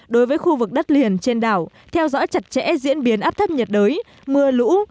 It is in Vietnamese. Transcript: đối với khu vực đất liền trên đảo theo dõi chặt chẽ diễn biến áp thấp nhiệt đới mưa lũ